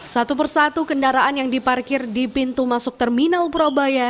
satu persatu kendaraan yang diparkir di pintu masuk terminal purabaya